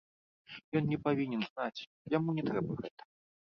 Ён не павінен знаць, яму не трэба гэта.